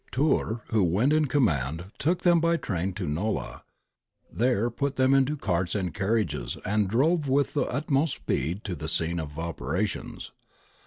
Tiirr, who went in command, took them by train to Nola, there put them into carts and carriages and drove with the utmost speed to the scene of operations.